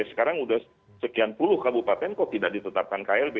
sekarang sudah sekian puluh kabupaten kok tidak ditetapkan klb